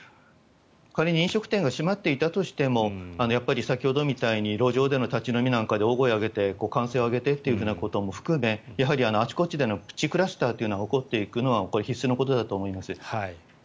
仮に飲食店が閉まっていたとしてもやっぱり先ほどみたいに路上での立ち飲みなんかで大声を上げて歓声を上げてということも含めあちこちでのプチクラスターというのが起こっていくのは必須のことだと思います。